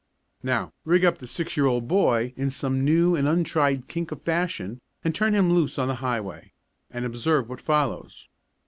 Now, rig up the six year old boy in some new and untried kink of fashion and turn him loose on the highway and observe what follows.